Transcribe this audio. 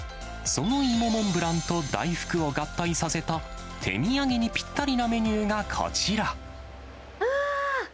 その芋モンブランと大福を合体させた手土産にぴったりなメニューあー！